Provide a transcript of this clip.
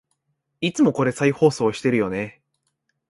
いつもこれ再放送してるよね